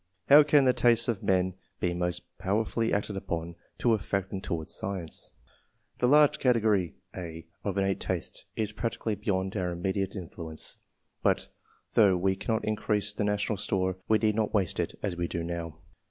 How can the tastes of men be most powerfully acted upon, to affect them towards science? The large category (a) of innate tastes is •^cally beyond our immediate influence ; but III.] ORIGIN OF TASTE FOE SCIENCE, 223 though we cannot increase the national store, we need not waste it, as we do now.